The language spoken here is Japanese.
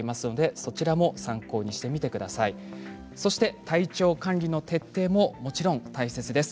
そして体調管理の徹底ももちろん大切です。